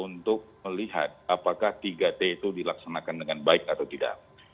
untuk melihat apakah tiga t itu dilaksanakan dengan baik atau tidak